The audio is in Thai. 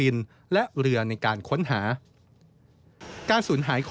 ในการ